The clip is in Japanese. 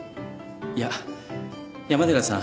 いや山寺さん